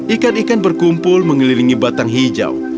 ikan ikan berkumpul mengelilingi batang hijau